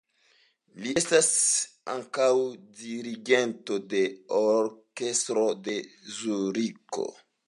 Li estas ankaŭ dirigento de orkestro de Zuriko.